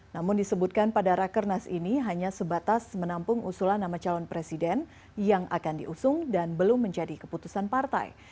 namun disebutkan pada rakernas ini hanya sebatas menampung usulan nama calon presiden yang akan diusung dan belum menjadi keputusan partai